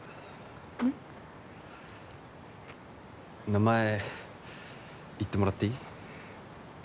名前、言ってもらっていい？